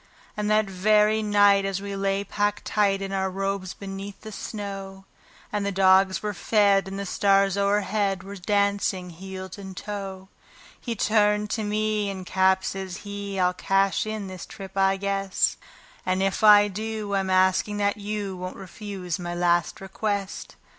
And that very night, as we lay packed tight in our robes beneath the snow, And the dogs were fed, and the stars o'erhead were dancing heel and toe, He turned to me, and "Cap," says he, "I'll cash in this trip, I guess; And if I do, I'm asking that you won't refuse my last request."